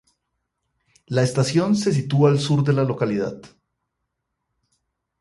La estación se sitúa al sur de la localidad.